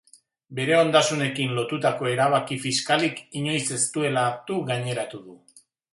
Bere ondasunekin lotutako erabaki fiskalik inoiz ez duela hartu gaineratu du.